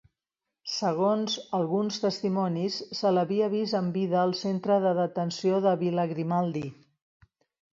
Segons alguns testimonis, se l'havia vist amb vida al centre de detenció de Vila Grimaldi.